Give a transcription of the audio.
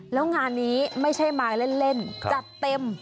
แล้วงานนี้ไม่ใช่มายเล่นจัดเต็ม